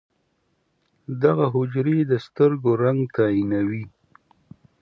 دغه حجرې د سترګو رنګ تعیینوي.